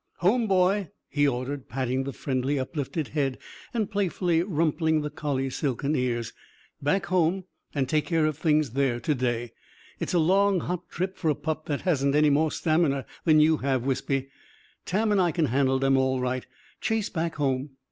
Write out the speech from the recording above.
"Home, boy!" he ordered, patting the friendly uplifted head and playfully rumpling the collie's silken ears. "Back home, and take care of things there to day. It's a long hot trip for a pup that hasn't any more stamina than you have, Wispy. Tam and I can handle them, all right. Chase back home!"